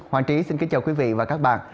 hoàng trí xin kính chào quý vị và các bạn